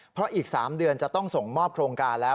เพราะอีก๓เดือนจะต้องส่งมอบโครงการแล้ว